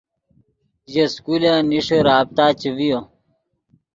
ژے سکولن نیݰے رابطہ چے ڤیو